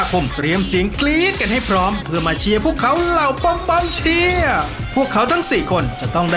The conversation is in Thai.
อันนี้ก็เอาไว้พัดเดิมกันนะ